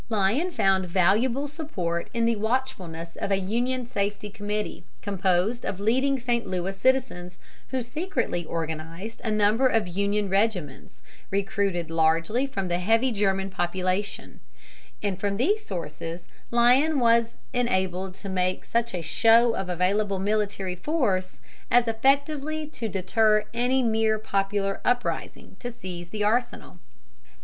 Lyon found valuable support in the watchfulness of a Union Safety Committee composed of leading St. Louis citizens, who secretly organized a number of Union regiments recruited largely from the heavy German population; and from these sources Lyon was enabled to make such a show of available military force as effectively to deter any mere popular uprising to seize the arsenal.